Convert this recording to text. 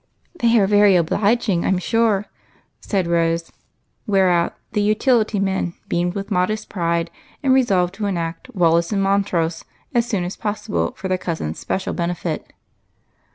" They are very obliging, I 'm sure," said Rose, whereat the " utility men " beamed with modest pride, and resolved to enact Wallace and Montrose as soon as possible for their cousin's special benefit.